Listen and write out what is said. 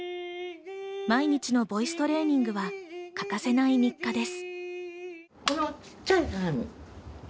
毎日のボイストレーニングは、欠かせない日課です。